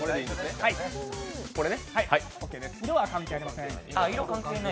色は関係ありません。